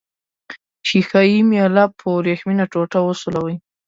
ښيښه یي میله په وریښمینه ټوټې وسولوئ.